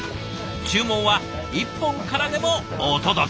注文は１本からでもお届け。